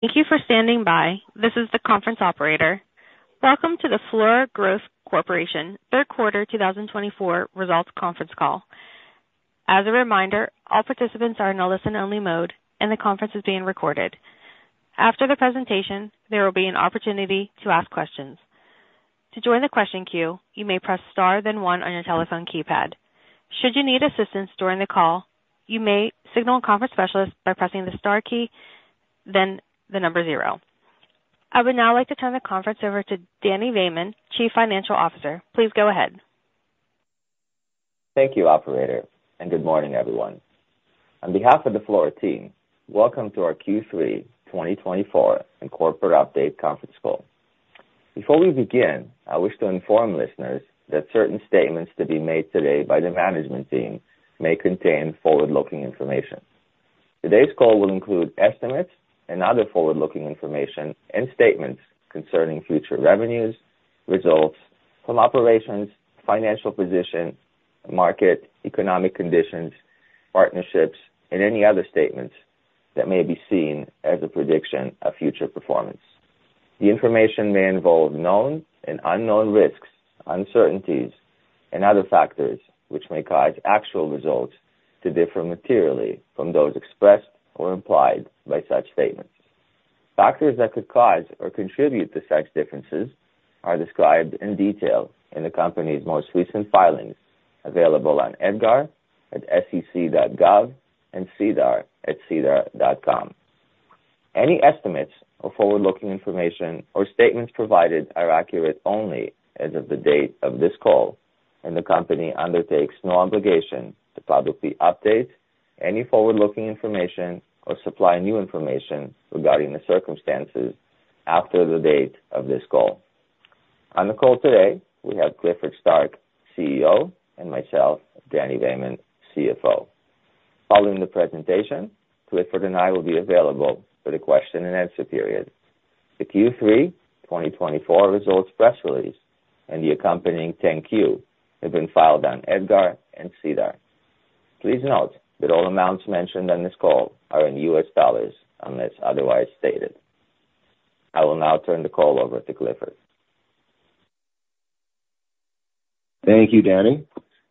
Thank you for standing by. This is the conference operator. Welcome to the Flora Growth Corporation Third Quarter 2024 Results conference call. As a reminder, all participants are in a listen-only mode, and the conference is being recorded. After the presentation, there will be an opportunity to ask questions. To join the question queue, you may press star then one on your telephone keypad. Should you need assistance during the call, you may signal a conference specialist by pressing the star key, then the number zero. I would now like to turn the conference over to Dany Vaiman, Chief Financial Officer. Please go ahead. Thank you, operator, and good morning, everyone. On behalf of the Flora team, welcome to our Q3 2024 and corporate update conference call. Before we begin, I wish to inform listeners that certain statements to be made today by the management team may contain forward-looking information. Today's call will include estimates and other forward-looking information and statements concerning future revenues, results, some operations, financial position, market, economic conditions, partnerships, and any other statements that may be seen as a prediction of future performance. The information may involve known and unknown risks, uncertainties, and other factors which may cause actual results to differ materially from those expressed or implied by such statements. Factors that could cause or contribute to such differences are described in detail in the company's most recent filings available on EDGAR at sec.gov and SEDAR at sedar.com. Any estimates or forward-looking information or statements provided are accurate only as of the date of this call, and the company undertakes no obligation to publicly update any forward-looking information or supply new information regarding the circumstances after the date of this call. On the call today, we have Clifford Starke, CEO, and myself, Dany Vaiman, CFO. Following the presentation, Clifford and I will be available for the question-and-answer period. The Q3 2024 results press release and the accompanying 10-Q have been filed on EDGAR and SEDAR. Please note that all amounts mentioned on this call are in U.S. dollars unless otherwise stated. I will now turn the call over to Clifford. Thank you, Dany.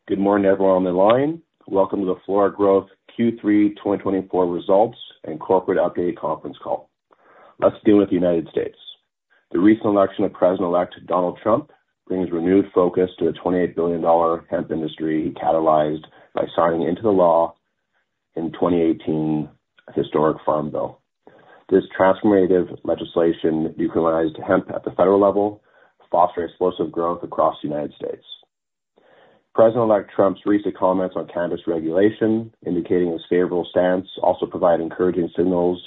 Good morning, everyone on the line. Welcome to the Flora Growth Q3 2024 results and corporate update conference call. Let's begin with the United States. The recent election of President-elect Donald Trump brings renewed focus to the $28 billion hemp industry catalyzed by signing into the law in 2018 a historic Farm Bill. This transformative legislation decriminalized hemp at the federal level, fostering explosive growth across the United States. President-elect Trump's recent comments on cannabis regulation, indicating his favorable stance, also provide encouraging signals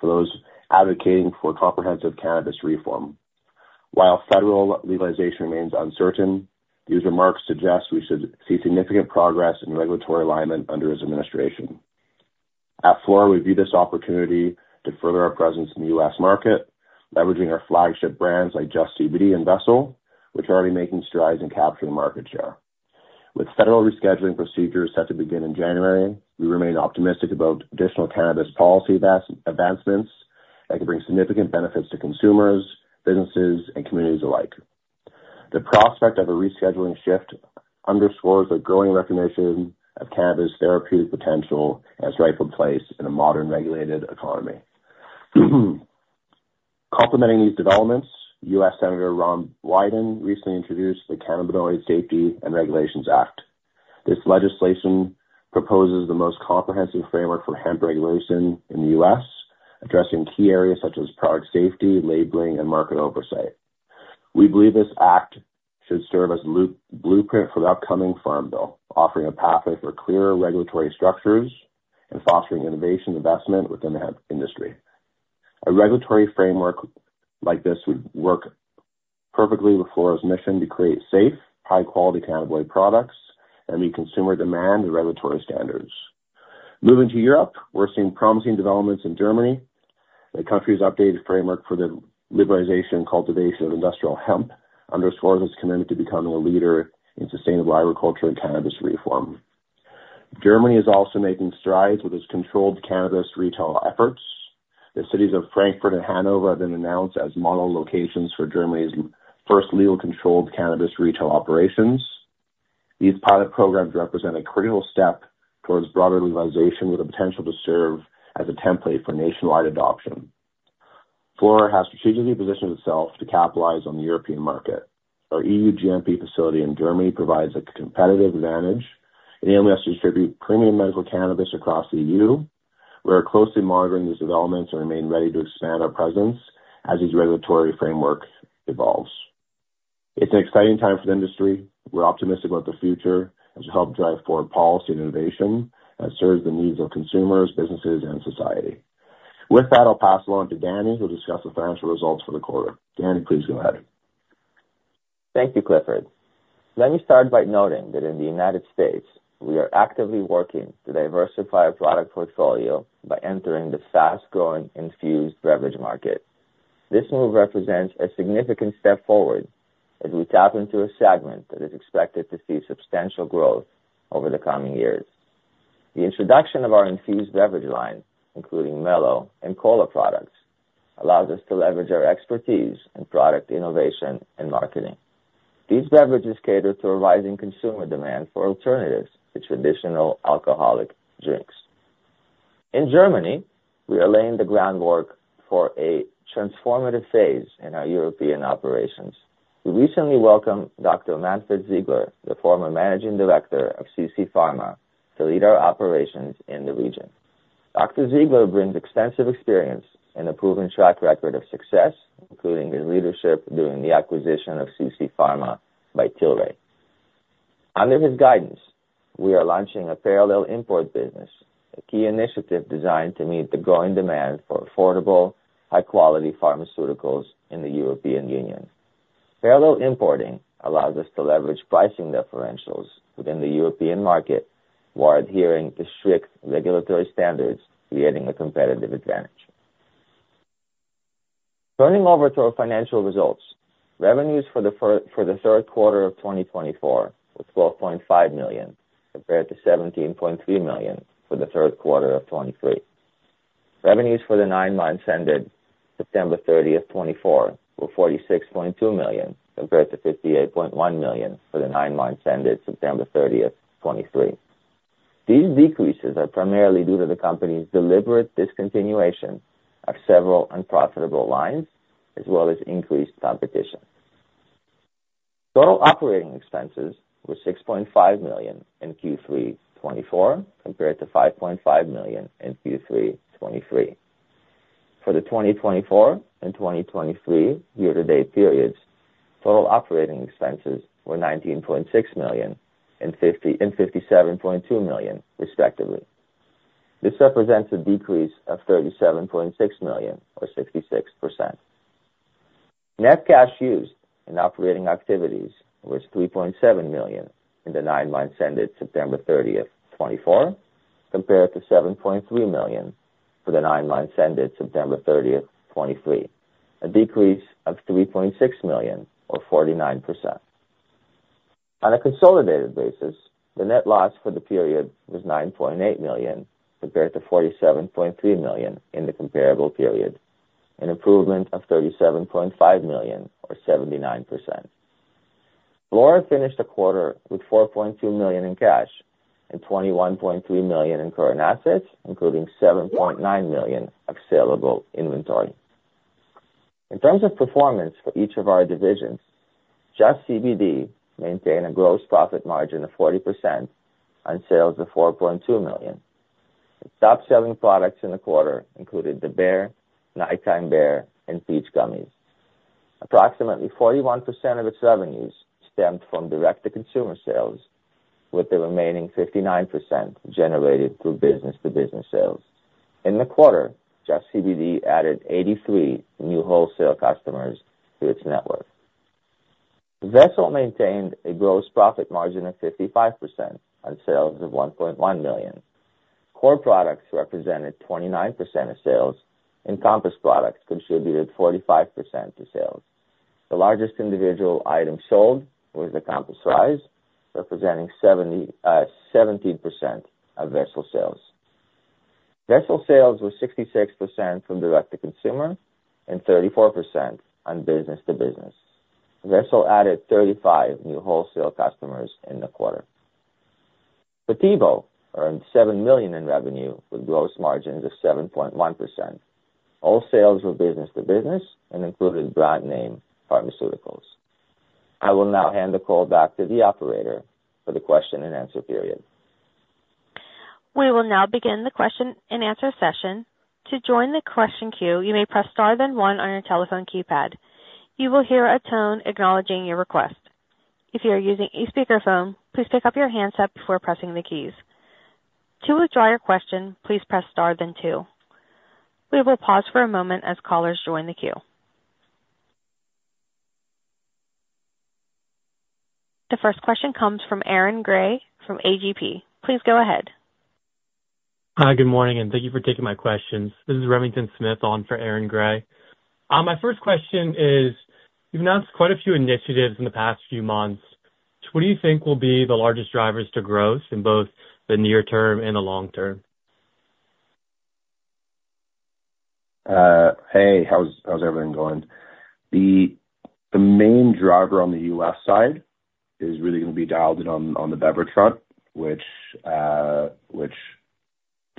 for those advocating for comprehensive cannabis reform. While federal legalization remains uncertain, these remarks suggest we should see significant progress in regulatory alignment under his administration. At Flora, we view this opportunity to further our presence in the U.S. market, leveraging our flagship brands like JustCBD and Vessel, which are already making strides in capturing market share. With federal rescheduling procedures set to begin in January, we remain optimistic about additional cannabis policy advancements that could bring significant benefits to consumers, businesses, and communities alike. The prospect of a rescheduling shift underscores the growing recognition of cannabis' therapeutic potential as rightful place in a modern regulated economy. Complementing these developments, U.S. Senator Ron Wyden recently introduced the Cannabinoid Safety and Regulation Act. This legislation proposes the most comprehensive framework for hemp regulation in the U.S., addressing key areas such as product safety, labeling, and market oversight. We believe this act should serve as a blueprint for the upcoming Farm Bill, offering a pathway for clearer regulatory structures and fostering innovation investment within the hemp industry. A regulatory framework like this would work perfectly with Flora's mission to create safe, high-quality cannabinoid products that meet consumer demand and regulatory standards. Moving to Europe, we're seeing promising developments in Germany. The country's updated framework for the liberalization and cultivation of industrial hemp underscores its commitment to becoming a leader in sustainable agriculture and cannabis reform. Germany is also making strides with its controlled cannabis retail efforts. The cities of Frankfurt and Hanover have been announced as model locations for Germany's first legal controlled cannabis retail operations. These pilot programs represent a critical step towards broader legalization with the potential to serve as a template for nationwide adoption. Flora has strategically positioned itself to capitalize on the European market. Our EU GMP facility in Germany provides a competitive advantage. It enables us to distribute premium medical cannabis across the EU. We are closely monitoring these developments and remain ready to expand our presence as these regulatory frameworks evolve. It's an exciting time for the industry. We're optimistic about the future as we help drive forward policy and innovation that serves the needs of consumers, businesses, and society. With that, I'll pass along to Dany, who will discuss the financial results for the quarter. Dany, please go ahead. Thank you, Clifford. Let me start by noting that in the United States, we are actively working to diversify our product portfolio by entering the fast-growing infused beverage market. This move represents a significant step forward as we tap into a segment that is expected to see substantial growth over the coming years. The introduction of our infused beverage line, including Melo and Cola products, allows us to leverage our expertise in product innovation and marketing. These beverages cater to a rising consumer demand for alternatives to traditional alcoholic drinks. In Germany, we are laying the groundwork for a transformative phase in our European operations. We recently welcomed Dr. Manfred Ziegler, the former Managing Director of CC Pharma, to lead our operations in the region. Dr. Ziegler brings extensive experience and a proven track record of success, including his leadership during the acquisition of CC Pharma by Tilray. Under his guidance, we are launching a parallel import business, a key initiative designed to meet the growing demand for affordable, high-quality pharmaceuticals in the European Union. Parallel importing allows us to leverage pricing differentials within the European market while adhering to strict regulatory standards, creating a competitive advantage. Turning over to our financial results, revenues for the third quarter of 2024 were $12.5 million compared to $17.3 million for the third quarter of 2023. Revenues for the nine months ended September 30th, 2024, were $46.2 million compared to $58.1 million for the nine months ended September 30th, 2023. These decreases are primarily due to the company's deliberate discontinuation of several unprofitable lines, as well as increased competition. Total operating expenses were $6.5 million in Q3 2024 compared to $5.5 million in Q3 2023. For the 2024 and 2023 year-to-date periods, total operating expenses were $19.6 million and $57.2 million, respectively. This represents a decrease of $37.6 million, or 66%. Net cash used in operating activities was $3.7 million in the nine months ended September 30th, 2024, compared to $7.3 million for the nine months ended September 30th, 2023, a decrease of $3.6 million, or 49%. On a consolidated basis, the net loss for the period was $9.8 million compared to $47.3 million in the comparable period, an improvement of $37.5 million, or 79%. Flora finished the quarter with $4.2 million in cash and $21.3 million in current assets, including $7.9 million of saleable inventory. In terms of performance for each of our divisions, JustCBD maintained a gross profit margin of 40% on sales of $4.2 million. The top-selling products in the quarter included the Bear, Nighttime Bear, and Peach Gummies. Approximately 41% of its revenues stemmed from direct-to-consumer sales, with the remaining 59% generated through business-to-business sales. In the quarter, JustCBD added 83 new wholesale customers to its network. Vessel maintained a gross profit margin of 55% on sales of $1.1 million. Core products represented 29% of sales, and Compass products contributed 45% to sales. The largest individual item sold was the Compass Rise, representing 17% of Vessel sales. Vessel sales were 66% from direct-to-consumer and 34% on business-to-business. Vessel added 35 new wholesale customers in the quarter. Phatebo earned $7 million in revenue with gross margins of 7.1%. All sales were business-to-business and included brand name pharmaceuticals. I will now hand the call back to the operator for the question-and-answer period. We will now begin the question-and-answer session. To join the question queue, you may press star then one on your telephone keypad. You will hear a tone acknowledging your request. If you are using a speakerphone, please pick up your handset before pressing the keys. To withdraw your question, please press star then two. We will pause for a moment as callers join the queue. The first question comes from Aaron Gray from AGP. Please go ahead. Hi, good morning, and thank you for taking my questions. This is Remington Smith on for Aaron Gray. My first question is, you've announced quite a few initiatives in the past few months. What do you think will be the largest drivers to growth in both the near-term and the long-term? Hey, how's everything going? The main driver on the U.S. side is really going to be dialed in on the beverage front, which the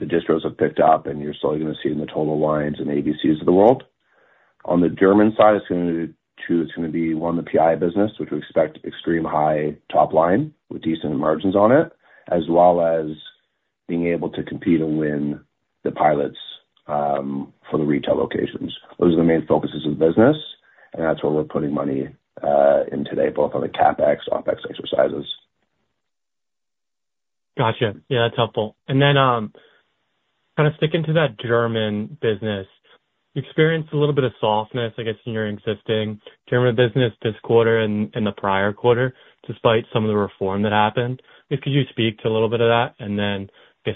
distros have picked up, and you're slowly going to see in the Total Wines and ABCs of the world. On the German side, it's going to be one, the PI business, which we expect extreme high top line with decent margins on it, as well as being able to compete and win the pilots for the retail locations. Those are the main focuses of the business, and that's where we're putting money in today, both on the CapEx and OpEx exercises. Gotcha. Yeah, that's helpful. And then kind of sticking to that German business, you experienced a little bit of softness, I guess, in your existing German business this quarter and the prior quarter, despite some of the reform that happened. If you could speak to a little bit of that and then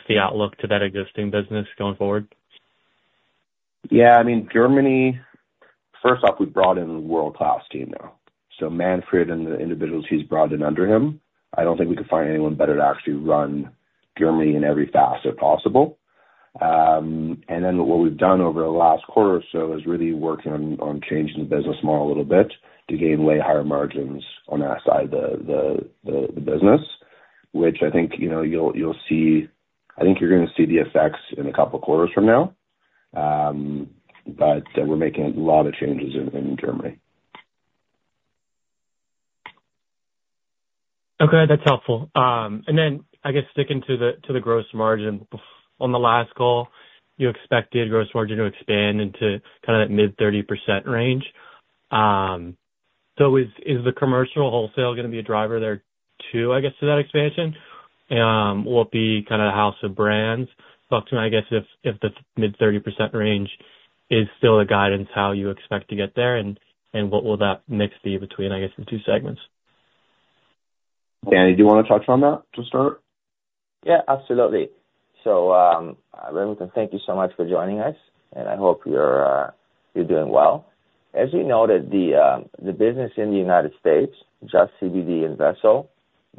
the outlook to that existing business going forward. Yeah, I mean, Germany, first off, we've brought in a world-class team now. So Manfred and the individuals he's brought in under him, I don't think we could find anyone better to actually run Germany in every facet possible. And then what we've done over the last quarter or so is really working on changing the business model a little bit to gain way higher margins on that side of the business, which I think you'll see, I think you're going to see the effects in a couple of quarters from now. But we're making a lot of changes in Germany. Okay, that's helpful. And then, I guess, sticking to the gross margin, on the last call, you expected gross margin to expand into kind of that mid-30% range. So is the commercial wholesale going to be a driver there too, I guess, to that expansion? Will it be kind of the house of brands? Talk to me, I guess, if the mid-30% range is still the guidance, how you expect to get there, and what will that mix be between, I guess, the two segments? Dany, do you want to touch on that to start? Yeah, absolutely. So, Remington, thank you so much for joining us, and I hope you're doing well. As you noted, the business in the United States, JustCBD and Vessel,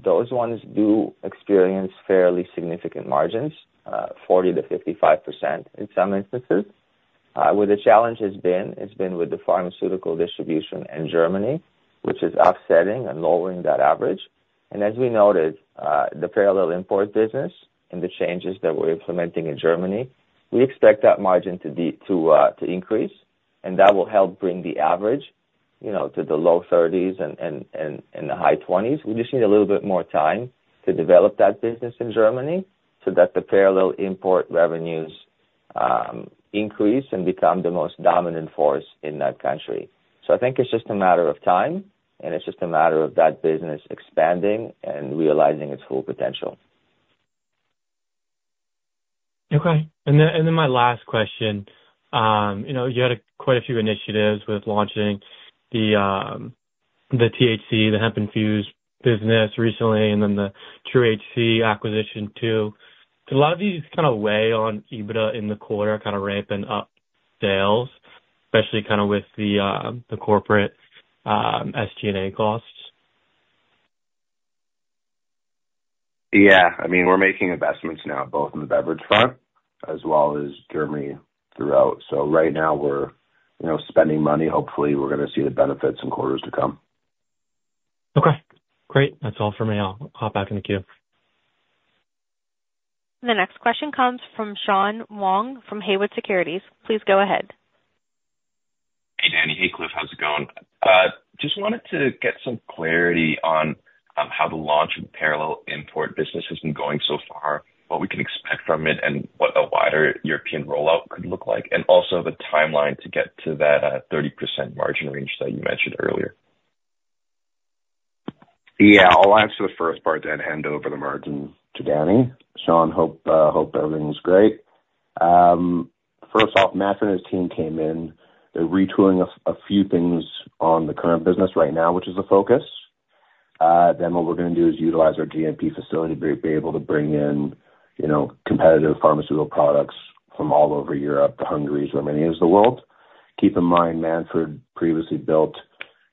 those ones do experience fairly significant margins, 40%-55% in some instances. Where the challenge has been is with the pharmaceutical distribution in Germany, which is upsetting and lowering that average. And as we noted, the parallel import business and the changes that we're implementing in Germany, we expect that margin to increase, and that will help bring the average to the low 30s and the high 20s. We just need a little bit more time to develop that business in Germany so that the parallel import revenues increase and become the most dominant force in that country. I think it's just a matter of time, and it's just a matter of that business expanding and realizing its full potential. Okay. And then my last question, you had quite a few initiatives with launching the THC, the hemp-infused business recently, and then the TruHC acquisition too. Do a lot of these kind of weigh on EBITDA in the quarter, kind of ramping up sales, especially kind of with the corporate SG&A costs? Yeah. I mean, we're making investments now, both in the beverage front as well as Germany throughout. So right now, we're spending money. Hopefully, we're going to see the benefits in quarters to come. Okay. Great. That's all for me. I'll hop back in the queue. The next question comes from Sean Wong from Haywood Securities. Please go ahead. Hey, Dany. Hey, Cliff. How's it going? Just wanted to get some clarity on how the launch of the parallel import business has been going so far, what we can expect from it, and what a wider European rollout could look like, and also the timeline to get to that 30% margin range that you mentioned earlier. Yeah. I'll answer the first part then and hand over the margins to Dany. Sean, hope everything's great. First off, Manfred and his team came in. They're retooling a few things on the current business right now, which is the focus. Then what we're going to do is utilize our GMP facility to be able to bring in competitive pharmaceutical products from all over Europe to Hungary as well as many others in the world. Keep in mind, Manfred previously built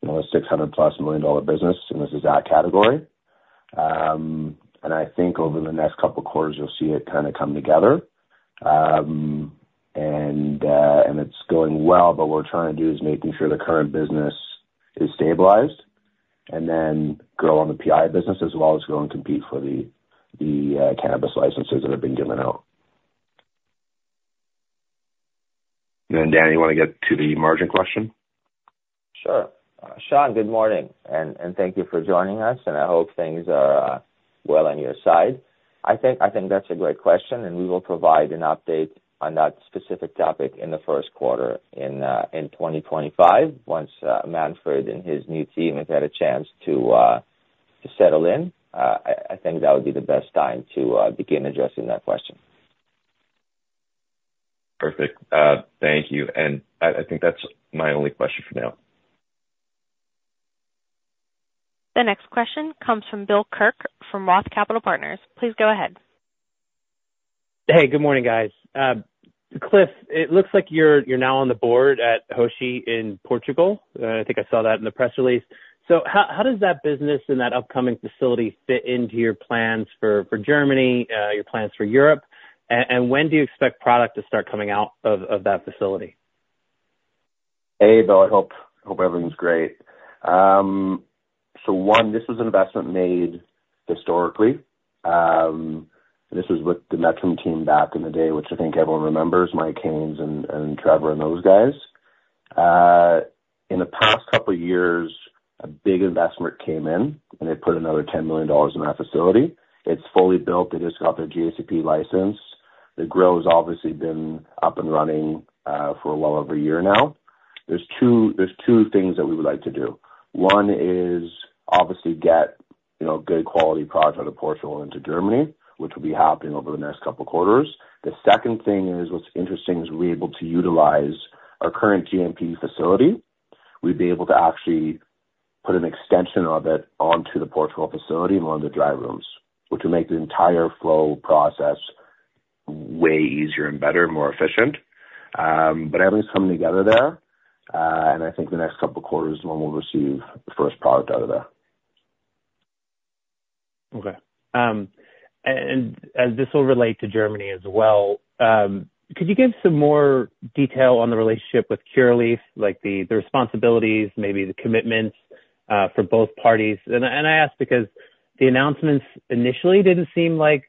a $600+ million business, and this is that category, and I think over the next couple of quarters, you'll see it kind of come together, and it's going well, but what we're trying to do is make sure the current business is stabilized and then grow on the PI business as well as go and compete for the cannabis licenses that have been given out. Then, Dany, you want to get to the margin question? Sure. Sean, good morning, and thank you for joining us, and I hope things are well on your side. I think that's a great question, and we will provide an update on that specific topic in the first quarter in 2025, once Manfred and his new team have had a chance to settle in. I think that would be the best time to begin addressing that question. Perfect. Thank you. And I think that's my only question for now. The next question comes from Bill Kirk from Roth Capital Partners. Please go ahead. Hey, good morning, guys. Cliff, it looks like you're now on the board at Hoshi in Portugal. I think I saw that in the press release. So how does that business and that upcoming facility fit into your plans for Germany, your plans for Europe, and when do you expect product to start coming out of that facility? Hey, Bill. I hope everything's great. So one, this was an investment made historically. This was with the Mettrum team back in the day, which I think everyone remembers: Mike Haines and Trevor and those guys. In the past couple of years, a big investment came in, and they put another $10 million in that facility. It's fully built. It has got their GACP license. The growth has obviously been up and running for well over a year now. There's two things that we would like to do. One is obviously get good quality product out of Portugal into Germany, which will be happening over the next couple of quarters. The second thing is, what's interesting is we're able to utilize our current GMP facility. We'd be able to actually put an extension of it onto the Portugal facility and one of the dry rooms, which will make the entire flow process way easier and better, more efficient. But everything's coming together there, and I think the next couple of quarters is when we'll receive the first product out of there. Okay. And as this will relate to Germany as well, could you give some more detail on the relationship with Curaleaf, like the responsibilities, maybe the commitments for both parties? And I ask because the announcements initially didn't seem like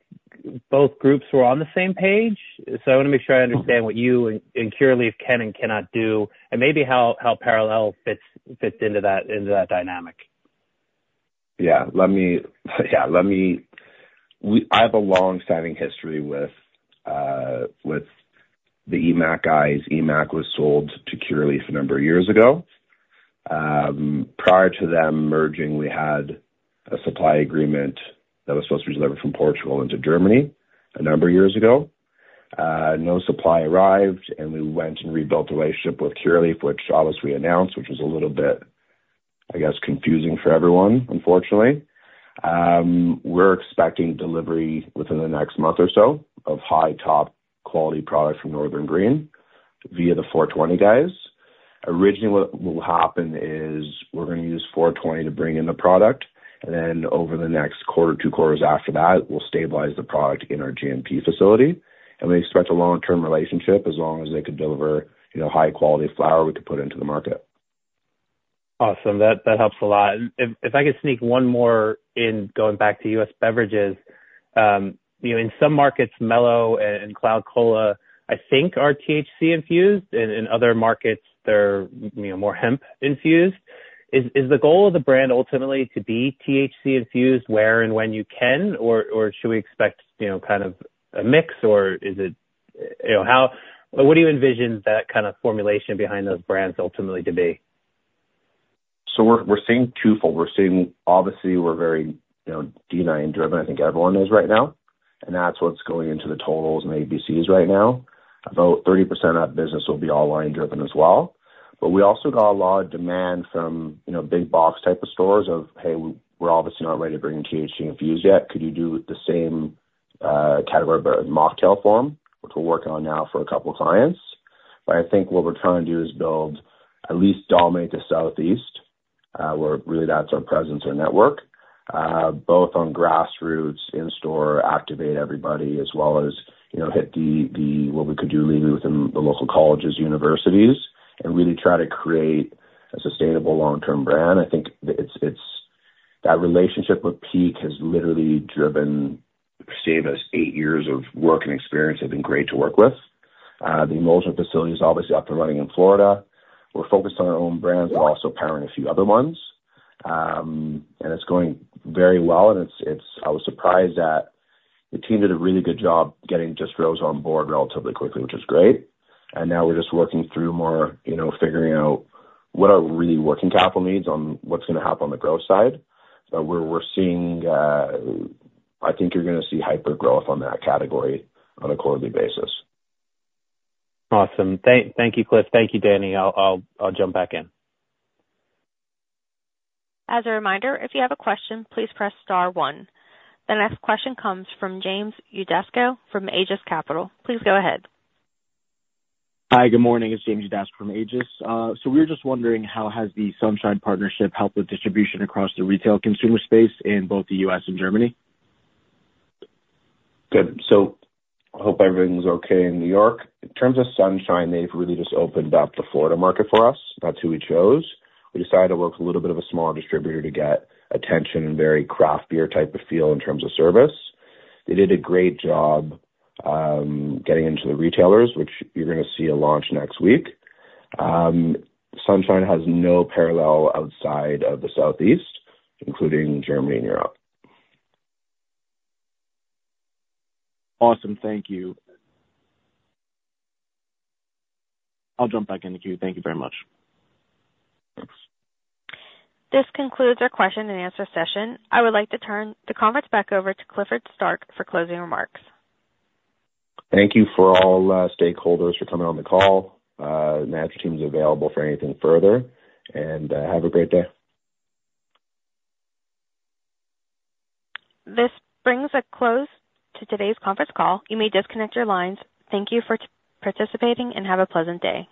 both groups were on the same page. So I want to make sure I understand what you and Curaleaf can and cannot do, and maybe how parallel fits into that dynamic. Yeah. Yeah. I have a long-standing history with the EMMAC guys. EMMAC was sold to Curaleaf a number of years ago. Prior to them merging, we had a supply agreement that was supposed to be delivered from Portugal into Germany a number of years ago. No supply arrived, and we went and rebuilt the relationship with Curaleaf, which obviously we announced, which was a little bit, I guess, confusing for everyone, unfortunately. We're expecting delivery within the next month or so of high-quality product from Northern Green via the Four 20 guys. Originally, what will happen is we're going to use Four 20 to bring in the product, and then over the next quarter or two quarters after that, we'll stabilize the product in our GMP facility. We expect a long-term relationship as long as they could deliver high-quality flower we could put into the market. Awesome. That helps a lot. If I could sneak one more in, going back to U.S. beverages, in some markets, Mellow and Cloud Cola, I think are THC-infused. In other markets, they're more hemp-infused. Is the goal of the brand ultimately to be THC-infused where and when you can, or should we expect kind of a mix, or is it what do you envision that kind of formulation behind those brands ultimately to be? So we're seeing twofold. Obviously, we're very D9-driven. I think everyone is right now, and that's what's going into the Total's and ABCs right now. About 30% of that business will be all line-driven as well. But we also got a lot of demand from big box type of stores of, "Hey, we're obviously not ready to bring in THC-infused yet. Could you do the same category of mocktail form, which we're working on now for a couple of clients?" But I think what we're trying to do is build, at least dominate the Southeast, where really that's our presence, our network, both on grassroots, in-store, activate everybody, as well as hit the what we could do legally within the local colleges and universities, and really try to create a sustainable long-term brand. I think that relationship with Peak has literally driven the same as eight years of work and experience have been great to work with. The emulsion facility is obviously up and running in Florida. We're focused on our own brands, but also powering a few other ones. And it's going very well, and I was surprised that the team did a really good job getting just distros on board relatively quickly, which is great. And now we're just working through more figuring out what our really working capital needs on what's going to happen on the growth side. But we're seeing, I think you're going to see hyper growth on that category on a quarterly basis. Awesome. Thank you, Cliff. Thank you, Dany. I'll jump back in. As a reminder, if you have a question, please press star one. The next question comes from James Udasco from Aegis Capital. Please go ahead. Hi, good morning. It's James Udasco from Aegis, so we were just wondering, how has the Sunshine partnership helped with distribution across the retail consumer space in both the U.S. and Germany? Good. So I hope everything's okay in New York. In terms of Sunshine, they've really just opened up the Florida market for us. That's who we chose. We decided to work with a little bit of a smaller distributor to get attention and very craft beer type of feel in terms of service. They did a great job getting into the retailers, which you're going to see a launch next week. Sunshine has no parallel outside of the Southeast, including Germany and Europe. Awesome. Thank you. I'll jump back in the queue. Thank you very much. This concludes our question-and-answer session. I would like to turn the conference back over to Clifford Starke for closing remarks. Thank you, all stakeholders, for coming on the call. Manfred's team is available for anything further, and have a great day. This brings a close to today's conference call. You may disconnect your lines. Thank you for participating and have a pleasant day.